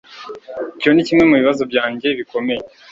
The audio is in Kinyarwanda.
Icyo nikimwe mubibazo byanjye bikomeye.